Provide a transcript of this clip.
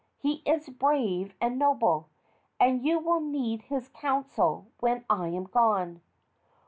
He is brave and noble, and you will need his counsel when I am gone."